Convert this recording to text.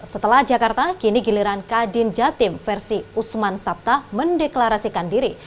setelah jakarta kini giliran kadin jatim versi usman sabta mendeklarasikan diri